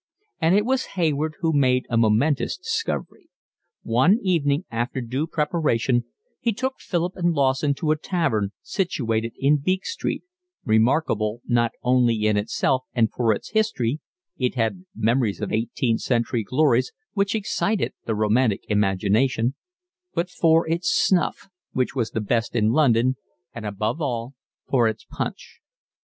And it was Hayward who made a momentous discovery. One evening, after due preparation, he took Philip and Lawson to a tavern situated in Beak Street, remarkable not only in itself and for its history—it had memories of eighteenth century glories which excited the romantic imagination—but for its snuff, which was the best in London, and above all for its punch.